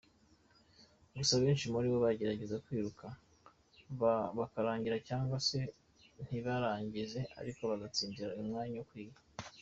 Gusa benshi muri bo bagerageza kwiruka bakarangiza cyangwa se ntibarangize ariko bagatsindira umwanya bakwiye.